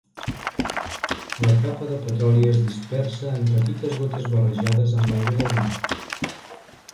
La capa de petroli es dispersa en petites gotes barrejades amb l'aigua de mar.